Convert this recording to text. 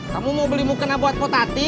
kamu mau beli mukena buat kotati